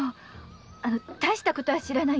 大したことは知らないんです。